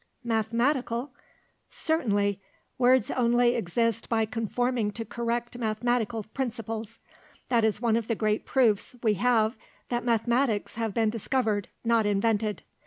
"Mathematical!" "Certainly; words only exist by conforming to correct mathematical principles. That is one of the great proofs we have that mathematics have been discovered, not invented.